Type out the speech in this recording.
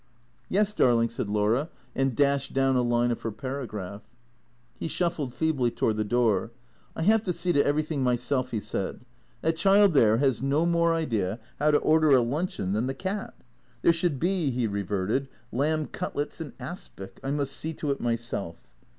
" Yes, darling," said Laura, and dashed down a line of her paragraph. He shuffled feebly toward the door. " I have to see to every thing myself," he said. " That child there has no more idea hoAv to order a luncheon than the cat. There should be," he re verted, " lamb cutlets in aspic. I must see to it myself."